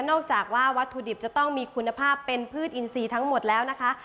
จากว่าวัตถุดิบจะต้องมีคุณภาพเป็นพืชอินทรีย์ทั้งหมดแล้วนะคะ